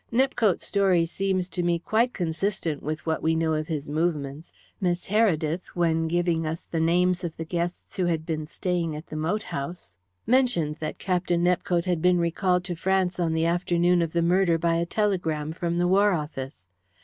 "Nepcote's story seems to me quite consistent with what we know of his movements. Miss Heredith, when giving us the names of the guests who had been staying at the moat house, mentioned that Captain Nepcote had been recalled to France on the afternoon of the murder by a telegram from the War Office.